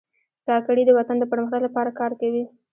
کاکړي د وطن د پرمختګ لپاره کار کوي.